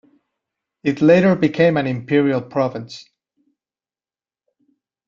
It later became an Imperial province.